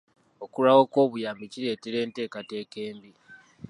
Okulwawo kw'obuyambi kireetera enteekateeka embi.